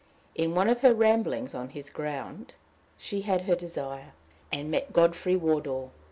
In one of her rambles on his ground she had her desire, and met Godfrey Wardour.